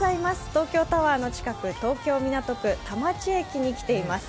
東京タワーの近く、東京・港区、田町駅に来ています。